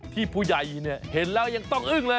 ผู้ใหญ่เห็นแล้วยังต้องอึ้งเลย